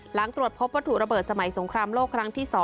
หลังตรวจพบวัตถุระเบิดสมัยสงครามโลกครั้งที่๒